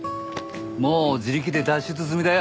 もう自力で脱出済みだよ！